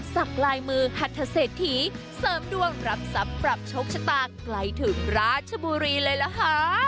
สักไรมือหัดทะเศษฐีเสิร์ดวงรับซับกลับโฉฟชะตากลายถึงราชบุรีเลยหรอฮะ